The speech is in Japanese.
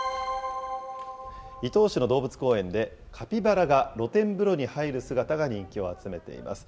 伊東市の動物公園で、カピバラが露天風呂に入る姿が人気を集めています。